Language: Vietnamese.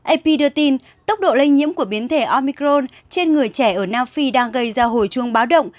ap đưa tin tốc độ lây nhiễm của biến thể omicron trên người trẻ ở nam phi đang gây ra hồi chuông báo động